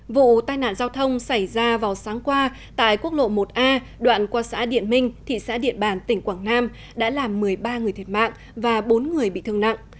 vụ tai nạn giao thông xảy ra vào sáng qua tại quốc lộ một a đoạn qua xã điện minh thị xã điện bàn tỉnh quảng nam đã làm một mươi ba người thiệt mạng và bốn người bị thương nặng